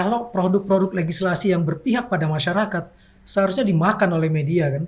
kalau produk produk legislasi yang berpihak pada masyarakat seharusnya dimakan oleh media kan